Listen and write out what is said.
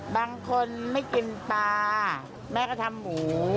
บางคนไม่กินปลาแม่ก็ทำหมู